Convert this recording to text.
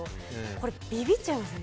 これビビっちゃいません？